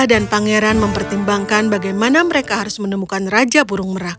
raja dan pangeran mempertimbangkan bagaimana mereka harus menemukan raja burung merah